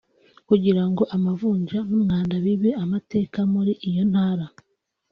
kugira ngo amavunja n’umwanda bibe amateka muri iyo Ntara